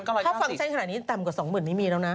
ถ้าฟังฉันขนาดนี้ต่ำกว่า๒เหมือนไม่มีแล้วนะ